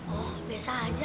oh biasa aja